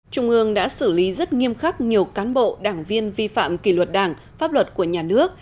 trung ương đã xử lý rất nghiêm khắc nhiều cán bộ đảng viên vi phạm kỳ luật đảng pháp luật của nhà nước